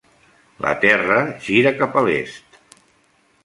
La Terra gira cap a l'est.